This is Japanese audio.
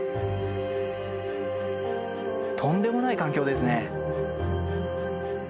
とんでもない環境ですね。